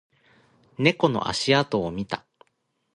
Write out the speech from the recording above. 猫の足跡を見た